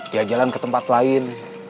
dia jalan ke tempat lain